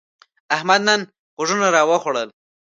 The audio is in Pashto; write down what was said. احمد نن غوږونه راوخوړل.